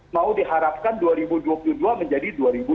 mau diharapkan dua ribu dua puluh dua menjadi dua ribu dua puluh